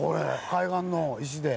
海岸の石で？